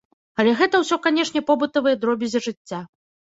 Але гэта ўсё канешне побытавыя дробязі жыцця.